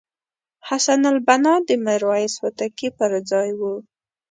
حسن البناء د میرویس هوتکي پرځای وو.